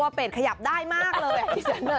เป็ดขยับได้มากเลย